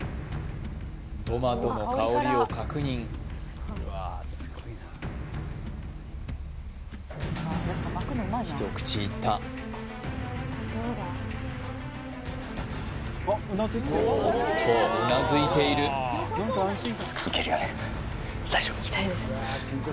トマトの香りを確認一口いったおっとうなずいているいきたいです